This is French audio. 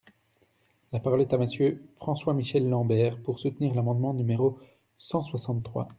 La parole est à Monsieur François-Michel Lambert, pour soutenir l’amendement numéro cent soixante-trois.